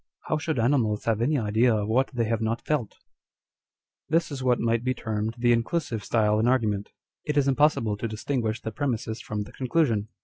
How should animals have any idea of what they have not felt ?" 1 This is what might be termed the inclusive style in argument. It is impossible to distinguish the premises from the conclusion.